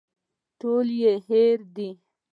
ټول يې هېر دي.